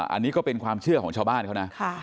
อันนี้ก็เป็นความเชื่อของชาวบ้านเขานะ